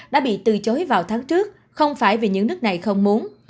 đã bị từ chối vào tháng trước không phải vì những nước này không muốn